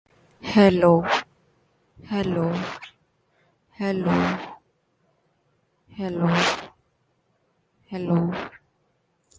In general, transformation is a complex, energy-requiring developmental process.